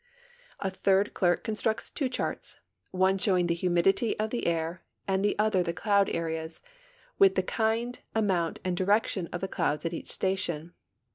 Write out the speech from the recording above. A third clerk constructs two charts, one showing the humidity of the air and the other the cloud areas, with the kind, amount, and direction of the clouds at each station.